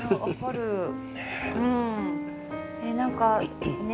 何かね